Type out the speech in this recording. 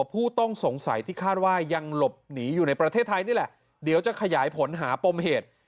ผู้ต้องสงสัยที่คาดว่ายังหลบหนีอยู่ในประเทศไทยนี่แหละเดี๋ยวจะขยายผลหาปมเหตุ